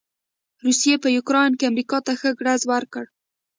روسې په يوکراين کې امریکا ته ښه ګړز ورکړ.